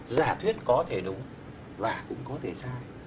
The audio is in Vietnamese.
giả thuyết có thể đúng và cũng có thể sai